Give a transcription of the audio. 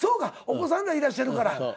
お子さんがいらっしゃるから。